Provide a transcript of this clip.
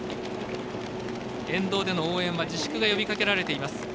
沿道での応援は自粛が呼びかけられています。